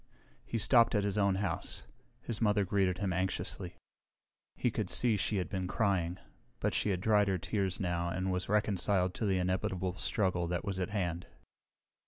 He stopped at his own house. His mother greeted him anxiously. He could see she had been crying, but she had dried her tears now and was reconciled to the inevitable struggle that was at hand.